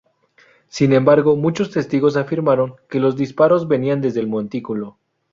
Sin embargo, muchos testigos afirmaron que los disparos venían desde el montículo.